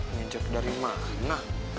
ngejek dari mana